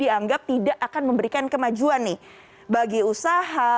jadi kepiting itu tidak akan memberikan kemajuan nih bagi usaha